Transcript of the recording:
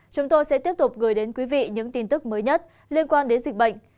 chúng tôi sẽ tiếp tục gửi đến quý vị những tin tức mới nhất liên quan đến dịch bệnh